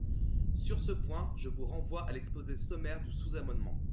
Sur ce point, je vous renvoie à l’exposé sommaire du sous-amendement.